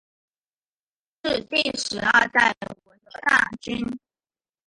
是第十二代闻得大君。